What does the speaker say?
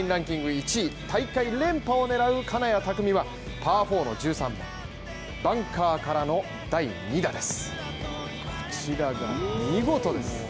１位大会連覇を狙う金谷拓実はパー４の１３番・バンカーからの第２打です。